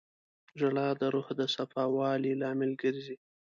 • ژړا د روح د صفا والي لامل ګرځي.